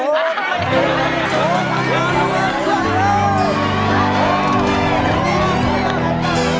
โอ้โหโอ้โห